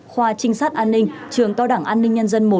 khoa trinh sát an ninh trường to đảng an ninh nhân dân i